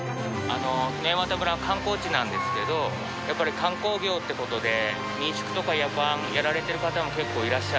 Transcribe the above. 檜枝岐村は観光地なんですけどやっぱり観光業って事で民宿とか旅館やられてる方も結構いらっしゃって。